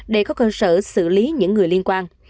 để có cơ sở xử lý những người liên quan